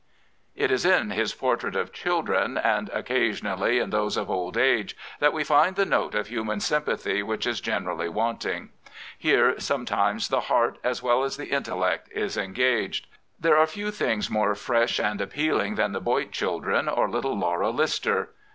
It is in his portraits of children, and occasionally in those of old age, that we find the note of human sympathy which is generally wanting. Here some times the heart as well as the intellect is engaged. There are few things more fresh and appealing than the Boit children or little Laura Lister.